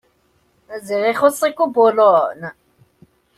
Ziɣ ixuṣ-ik ubulun!